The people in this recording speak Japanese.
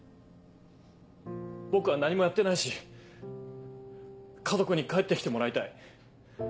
僕は何もやってないし家族に帰って来てもらいたい。